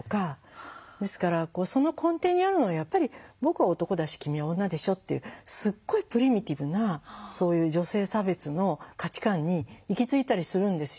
ですからその根底にあるのはやっぱり「僕は男だし君は女でしょ」っていうすっごいプリミティブなそういう女性差別の価値観に行き着いたりするんですよ。